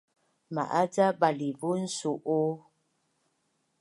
ma’az ca balivun su’u?